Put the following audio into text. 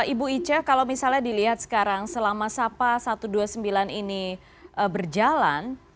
ibu ica kalau misalnya dilihat sekarang selama sapa satu ratus dua puluh sembilan ini berjalan